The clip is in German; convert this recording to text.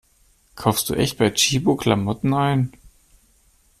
Kaufst du echt bei Tchibo Klamotten ein?